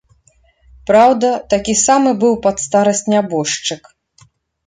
Праўда, такі самы быў пад старасць нябожчык.